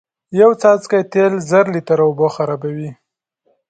یو څاڅکی تیل زر لیتره اوبه خرابوی